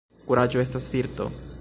Kuraĝo estas virto.